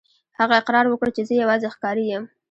هغه اقرار وکړ چې زه یوازې ښکاري یم.